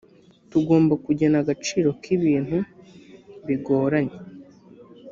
tugomba kugena agaciro k’ibintu bigoranye